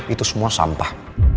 itu semua sampah